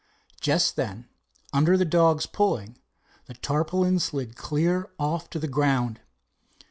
Just then, under the dog's pulling, the tarpaulin slid clear off to the ground.